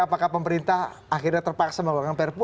apakah pemerintah akhirnya terpaksa mengeluarkan perpu